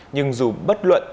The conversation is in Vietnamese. nhưng dù bất luận